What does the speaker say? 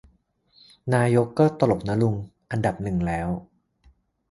นายกก็ตลกนะลุง อันดับหนึ่งแล้ว